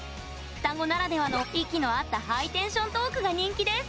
双子ならではの息の合ったハイテンショントークが人気です。